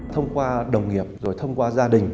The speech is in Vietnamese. thông qua đồng nghiệp rồi thông qua gia đình